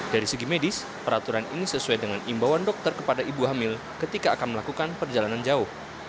dari segi medis peraturan ini sesuai dengan imbauan dokter kepada ibu hamil ketika akan melakukan perjalanan jauh